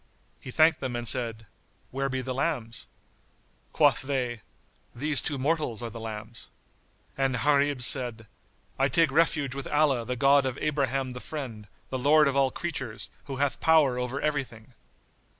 He thanked them and said, "Where be the lambs?" Quoth they, "These two mortals are the lambs." And Gharib said, "I take refuge with Allah the God of Abraham the Friend, the Lord of all creatures, who hath power over everything!"